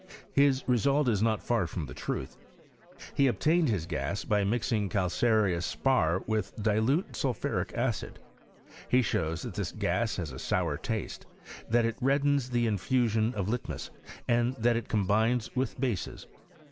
His result is not! far from the truth. He obtained his gas, by mix ing calcareous spar with dilute sulphuric acid. Ha shows that this gas has a sour taste, that it raddenS the infusion of litmus, and that it combines witb bases.